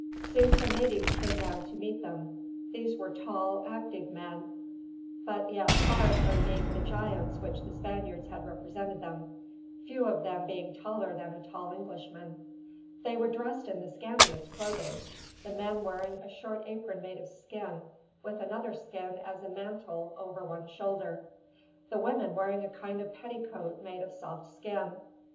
Soon the natives came down to meet them. These were tall, active men, but yet far from being the giants which the Spaniards had represented them, few of them being taller than a tall Englishman. They were dressed in the scantiest clothing the men wearing a short apron made of skin, with another skin as a mantle over one shoulder; the women wearing a kind of petticoat, made of soft skin.